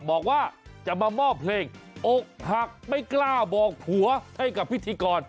บอกว่าจะมามอบเพลงอกหักไม่กล้าบอกผัวให้กับพิธีกร